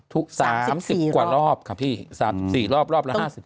ทุก๓๔รอบครับพี่๓๔รอบรอบละ๕๐คนต้องจอง